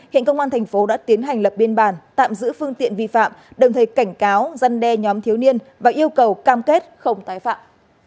hiện công an thành phố đã tiến hành lập biên bản tạm giữ phương tiện vi phạm đồng thời cảnh cáo giăn đe nhóm thiếu niên và yêu cầu cam kết không tái phạm